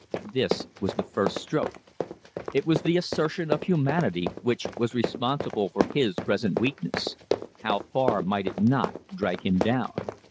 This was the first stroke. It was the assertion of humanity which was responsible for his present weakness. How far might it not drag him down?